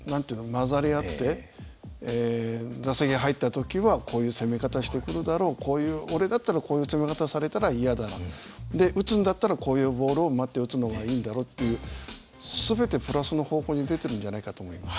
混ざり合って打席に入った時はこういう攻め方してくるだろう俺だったらこういう攻め方をされたら嫌だ打つんだったらこういうボールを待って打つのがいいだろうっていう全てプラスの方向に出てるんじゃないかと思います。